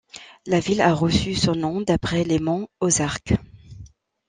La ville a reçu son nom d’après les monts Ozarks.